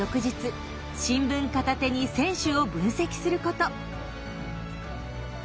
新聞片手に選手を分析すること。